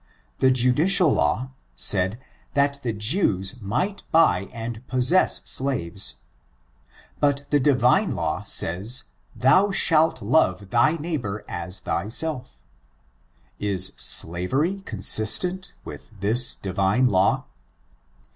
The judicial law, said that the Jews might buy and possess slaves, but the Divine law says, thou shalt love thy neighbor as thy« self. Is slavery consistent with this Divine law?